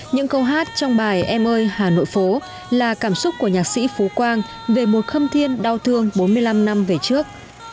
những câu hát trong bài em ơi hà nội phố là cảm xúc của nhạc sĩ phú quang về một khâm thiên đau thương bốn mươi năm năm về trước